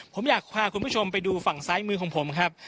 ผมอยากพาคุณผู้ชมไปดูฝั่งซ้ายมือของผมครับ